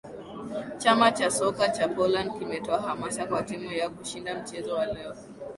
chama cha soka cha poland kimetoa hamasa kwa timu yao kushinda mchezo wa leo